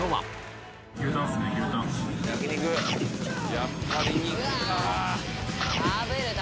やっぱり肉か。